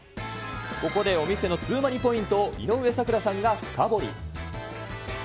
ここでお店のツウマニポイントを井上咲楽さんが深掘り。